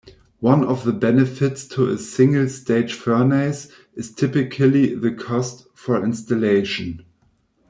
One of the benefits to a single-stage furnace is typically the cost for installation.